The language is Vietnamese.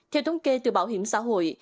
theo thống kê từ bảo hiểm xã hội